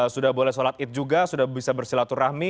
sudah boleh sholat id juga sudah bisa bersilaturahmi